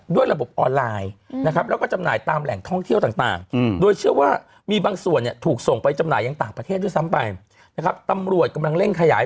เด็กแม่เลยมันคุณสิบกว่าขวบเอง